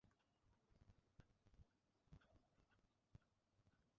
জেলা চিনিকলের একজন কর্মকর্তা তাঁর বাসার ছাদে প্রথম কাজটি শুরু করেছিলেন।